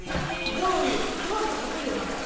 ゴロリうまくさけるようになったね。